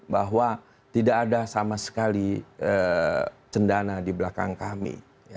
bahwa tidak ada sama sekali cendana di belakang kami